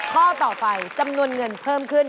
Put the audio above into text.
ข้อต่อไปจำนวนเงินเพิ่มขึ้น